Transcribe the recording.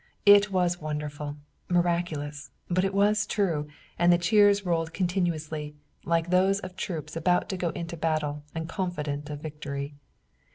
It was wonderful, miraculous, but it was true, and the cheers rolled continuously, like those of troops about to go into battle and confident of victory.